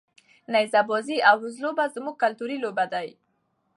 نیزه بازي او وزلوبه زموږ کلتوري لوبې دي.